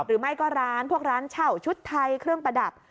หรือไม่ก็ร้านพวกร้านเช่าชุดไทยเครื่องประดับ